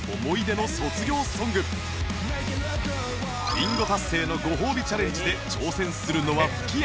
ビンゴ達成のご褒美チャレンジで挑戦するのは吹き矢